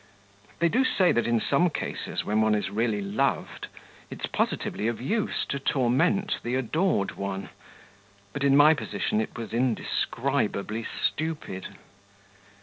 They do say that in some cases when one is really loved, it's positively of use to torment the adored one; but in my position it was indescribably stupid.